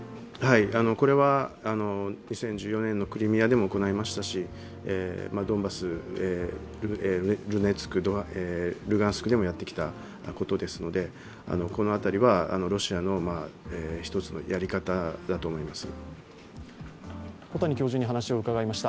これは２０１４年のクリミアでも行いましたし、ドンバス、ドネツク、ルガンスクでもやってきたことですので、この辺りはロシアのひとつのやり方だと思います。